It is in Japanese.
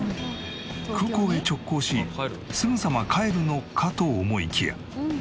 空港へ直行しすぐさま帰るのかと思いきや。